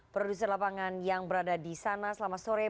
produser lapangan yang berada di sana selama sore